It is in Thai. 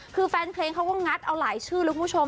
คือแฟนเพลงเขาก็งัดเอาหลายชื่อเลยคุณผู้ชม